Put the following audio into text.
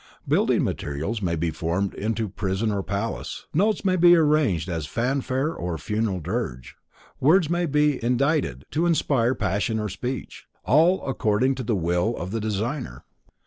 Building materials may be formed to prison or palace; notes may be arranged as fanfare or funeral dirge; words may be indited to inspire passion or peace, all according to the will of the designer.